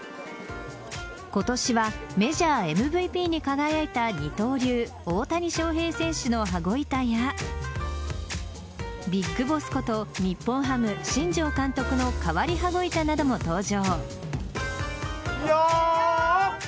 今年はメジャーＭＶＰに輝いた二刀流・大谷翔平選手の羽子板やビッグボスこと日本ハム・新庄監督の変わり羽子板なども登場。